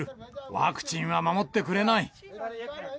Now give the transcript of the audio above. ワクチンは守ってくれない。